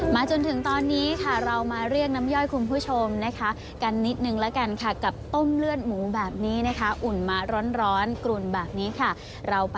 มาจนถึงตอนนี้ค่ะเรามาเรียกน้ำย่อยคุณผู้ชมกันนิดหนึ่งแล้วกันค่ะ